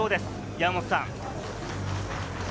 山本さん。